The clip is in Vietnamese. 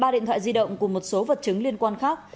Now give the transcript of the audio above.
ba điện thoại di động cùng một số vật chứng liên quan khác